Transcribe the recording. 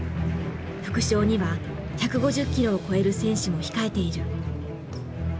副将には１５０キロを超える選手も控えている。